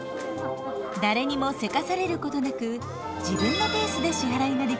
誰にもせかされることなく自分のペースで支払いができます。